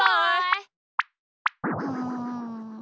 うん。